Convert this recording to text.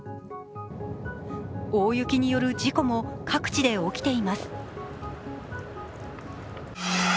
大雪による事故も各地で起きています。